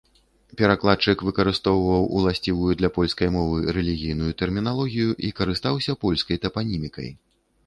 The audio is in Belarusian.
Перакладчык выкарыстоўваў уласцівую для польскай мовы рэлігійную тэрміналогію і карыстаўся польскай тапанімікай.